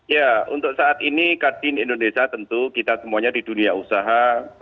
ya untuk saat ini kadin indonesia tentu kita semuanya di dunia usaha